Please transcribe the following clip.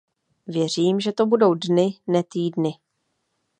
Věřím, že to budou dny, ne týdny.